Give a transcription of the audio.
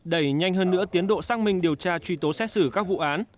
đẩy nhanh hơn nữa tiến độ xác minh điều tra truy tố xét xử các vụ án